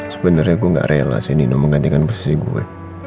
sebenernya gue ga rela si nino menggantikan posisi gue